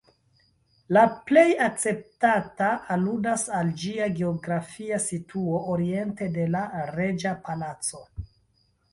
La plej akceptata aludas al ĝia geografia situo, oriente de la Reĝa Palaco.